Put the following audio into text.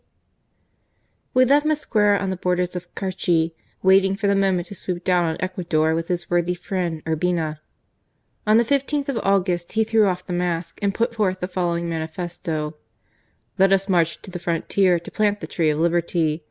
1863. We left Mosquera on the borders of the Carchi, waiting for the moment to swoop down on Ecuador with his worthy friend Urbina. On the 15th of August he threw off the mask, and put forth the following manifesto: "Let us march to the frontier to plant the tree of liberty.